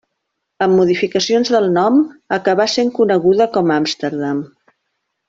Amb modificacions del nom, acabà sent coneguda com a Amsterdam.